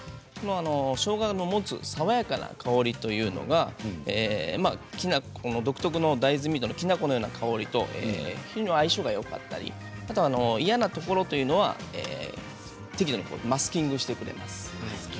しょうがの持つ爽やかな香りというのがきな粉独特の、きな粉の香りと相性がよかったり嫌なところというのは適度にマスキングしてくれます。